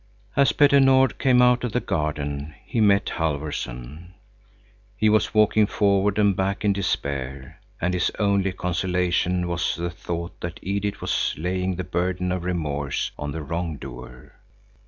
As Petter Nord came out of the garden, he met Halfvorson. He was walking forward and back in despair, and his only consolation was the thought that Edith was laying the burden of remorse on the wrong doer.